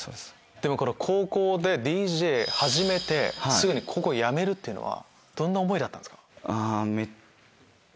でもこの高校でＤＪ始めてすぐに高校やめるっていうのはどんな思いだったんですか？